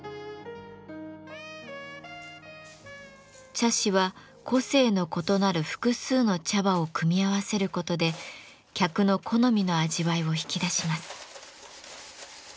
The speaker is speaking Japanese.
茶師は個性の異なる複数の茶葉を組み合わせることで客の好みの味わいを引き出します。